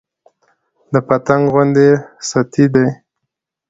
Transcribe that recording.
د پتنګ غوندې ستي دى